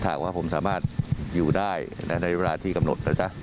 แต่ว่าผมสามารถอยู่ในเวลาที่กำหนด